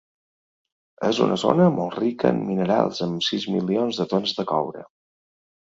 És una zona molt rica en minerals, amb sis milions de tones de coure.